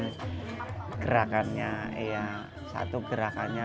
terus gerakannya satu gerakannya